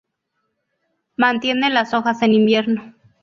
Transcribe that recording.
Mantiene las hojas en invierno.